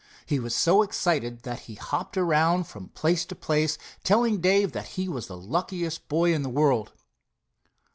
He was so excited that he hopped around from place to place, telling Dave that he was the luckiest boy in the world.